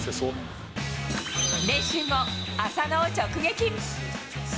練習後、浅野を直撃。